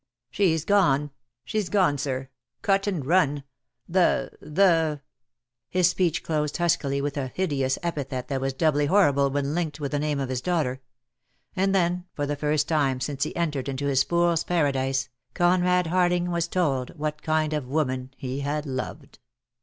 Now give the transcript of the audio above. "She's gone. She's gone, sir — cut and run —■ the — the " His speech closed huskily with a hideous epithet that was doubly horrible when linked with the name of his daughter; and then, for the first time since he entered into his fool's paradise, Conrad Harling was told what kind of woman he had loved.